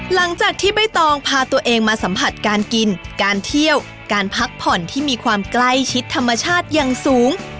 หลังจากที่ใบตองพาตัวเองมาสัมผัสการกินการเที่ยวการพักผ่อนที่มีความใกล้ชิดธรรมชาติอย่างสูง